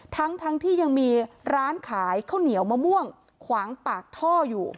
ทั้งที่ยังมีร้านขายข้าวเหนียวมะม่วงขวางปากท่ออยู่